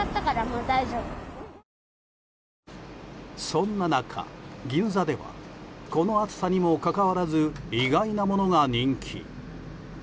そんな中、銀座ではこの暑さにもかかわらず意外なものが人気。